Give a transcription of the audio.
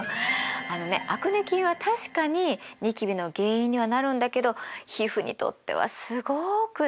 あのねアクネ菌は確かにニキビの原因にはなるんだけど皮膚にとってはすごく大事な働きをしてるのよ。